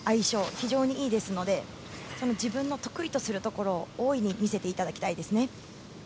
非常にいいですので自分の得意とするところを大いに見せてもらいたいですね。